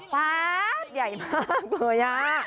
ป๊าดใหญ่มากเลย